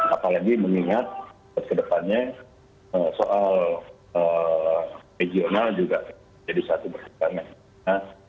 apalagi mengingat ke depannya soal regional juga jadi satu pertandangan